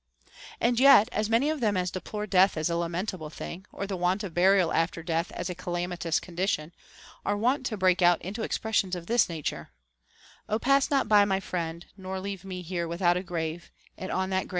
And yet, as many of them as deplore death as a lamentable thinj;, or the want of burial after death as a calamitous condition, are wont to break out into expressions of this nature :— O pass not by, my friend ; nor leave me here Without a grave, and on that grave a tear ;§* II.